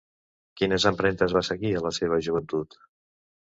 Quines empremtes va seguir a la seva joventut?